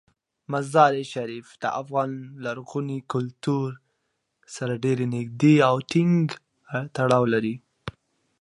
مزارشریف د افغان لرغوني کلتور سره ډیر نږدې او ټینګ تړاو لري.